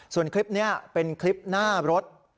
ส่วนคลิปนี้เป็นคลิปหน้ารถ